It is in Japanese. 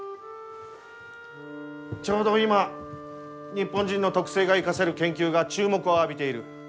ちょうど今日本人の特性が生かせる研究が注目を浴びている。